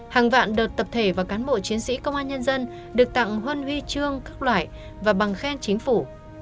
hàng vạn đợt tập thể và cán bộ chiến sĩ công an nhân dân được tặng huân huy chương các loại và bằng khen chính phủ